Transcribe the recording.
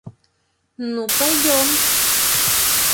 Ну, пойдем.